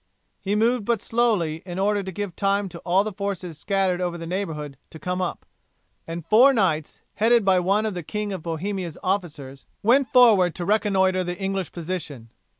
He moved but slowly in order to give time to all the forces scattered over the neighbourhood to come up, and four knights, headed by one of the King of Bohemia's officers, went forward to reconnoitre the English position.